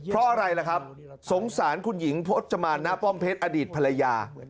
เพราะอะไรล่ะครับสงสารคุณหญิงพจมานณป้อมเพชรอดีตภรรยา